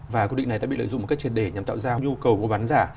và quy định này đã bị lợi dụng một cách triệt đề nhằm tạo ra nhu cầu của bán giả